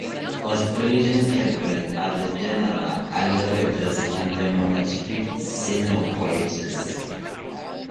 Australasian catbirds are the genera "Ailuroedus" and the monotypic "Scenopooetes".